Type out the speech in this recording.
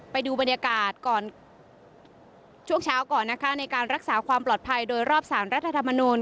ไปดูบรรยากาศก่อนช่วงเช้าก่อนนะคะในการรักษาความปลอดภัยโดยรอบสารรัฐธรรมนูล